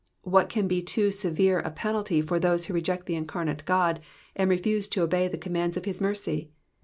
'*^ What can be too severe a penalty for those who reject the incarnate God, ahd refuse to obey the com mands of his mercy